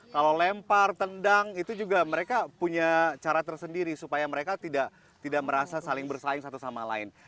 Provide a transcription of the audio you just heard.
kalau lempar tendang itu juga mereka punya cara tersendiri supaya mereka tidak merasa saling bersaing satu sama lain